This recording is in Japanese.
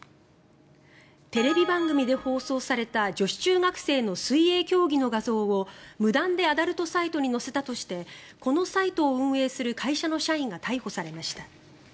テレビ番組で放送された女子中学生の水泳競技の画像を無断でアダルトサイトに載せたとしてこのサイトを運営する会社の社員が逮捕されました。